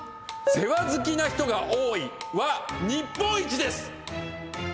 世話好きな人が多いは日本一です！